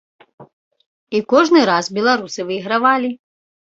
І кожны раз беларусы выйгравалі.